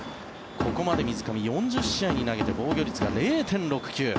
ここまで水上、４０試合に投げて防御率が０．６９。